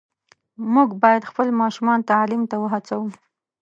موږ باید خپل ماشومان تعلیم ته وهڅوو.